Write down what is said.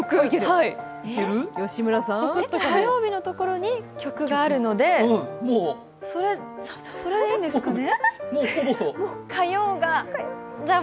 火曜日のところに曲があるのでそれでいいんですかね？